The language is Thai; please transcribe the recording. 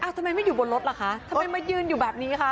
ทำไมไม่อยู่บนรถล่ะคะทำไมมายืนอยู่แบบนี้คะ